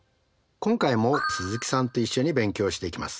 今回も鈴木さんと一緒に勉強していきます。